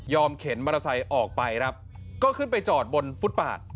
เข็นมอเตอร์ไซค์ออกไปครับก็ขึ้นไปจอดบนฟุตปาด